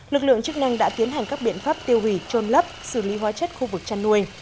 lực lượng chức năng đã tiến hành các biện pháp tiêu hủy trôn lấp xử lý hóa chất khu vực chăn nuôi